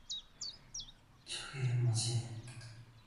저게 뭐지?